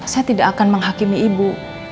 saya tidak akan menghakimi ibu